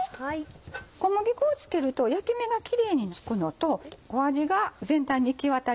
小麦粉を付けると焼き目がキレイにつくのと味が全体に行き渡りやすい。